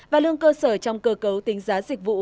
và lương cơ sở trong cơ cấu tính giá dịch vụ